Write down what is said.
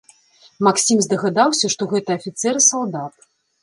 Максім здагадаўся, што гэта афіцэр і салдат.